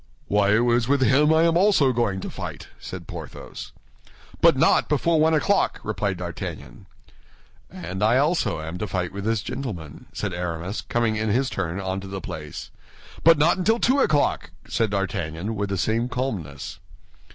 "Why, it is with him I am also going to fight," said Porthos. "But not before one o'clock," replied D'Artagnan. "And I also am to fight with this gentleman," said Aramis, coming in his turn onto the place. "But not until two o'clock," said D'Artagnan, with the same calmness.